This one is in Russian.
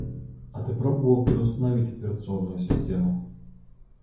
А ты пробовал переустановить операционную систему?